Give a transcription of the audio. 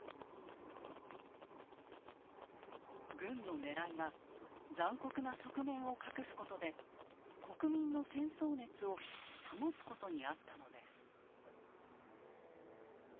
軍のねらいは残酷な側面を隠すことで国民の戦争熱を保つことにあったのです。